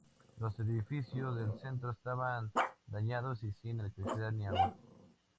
Los edificios del centro estaban dañados y sin electricidad ni agua.